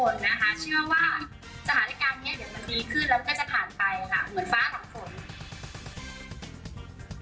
เชื่อว่าสถานการณ์เนี้ยเดี๋ยวมันดีขึ้นแล้วก็จะผ่านไปค่ะเหมือนฟ้าของฝน